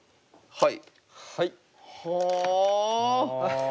はい。